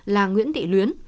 là nguyễn thị luyến